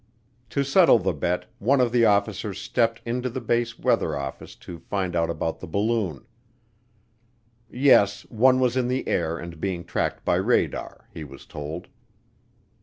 To settle the bet, one of the officers stepped into the base weather office to find out about the balloon. Yes, one was in the air and being tracked by radar, he was told.